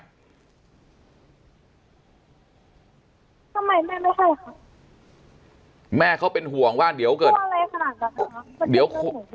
ทำไมแม่ไม่ให้แม่เขาเป็นห่วงว่าเดี๋ยวเดี๋ยวเดี๋ยว